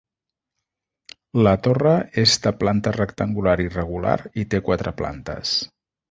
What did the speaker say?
La torre és de planta rectangular irregular i té quatre plantes.